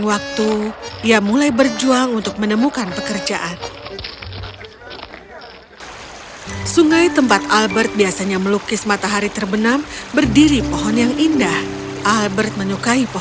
albert menyukai pohon itu